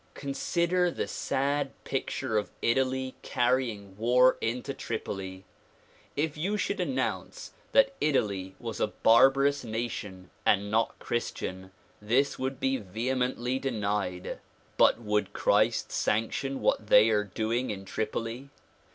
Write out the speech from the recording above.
Consider the sad picture cf Italy carrying Avar into Tripoli. If you should announce that Italy was a barbarous nation and not Christian, this would be vehemently denied. But would Christ sanction what they are doing in Tripoli?